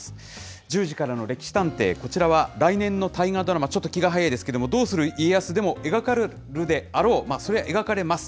１０時からの歴史探偵、こちらは来年の大河ドラマ、ちょっと気が早いですけれども、どうする家康でも描かれるであろう、そりゃ、描かれます。